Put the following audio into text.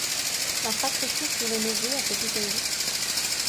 L'infrastructure fut rénovée à cette occasion.